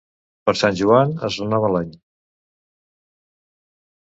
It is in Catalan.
Per Sant Joan es renova l'any.